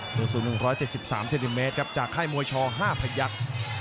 สูตรสูตร๑๗๓เซนติเมตรครับจากค่ายมวยชอห้าพยักษ์